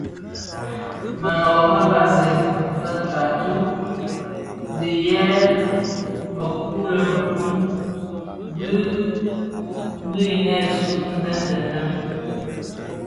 Mënôbö më vasèn mö satü tidyëk mëku lè mëku dhi binèsun deň deň deň.